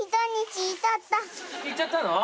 聞いちゃったの？